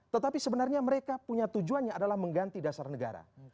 tetapi sebenarnya mereka punya tujuannya adalah mengganti dasar negara